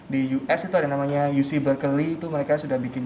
di us itu ada namanya uc berkeley itu mereka sudah bikin